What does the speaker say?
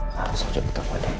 pak al saya butuh kepadanya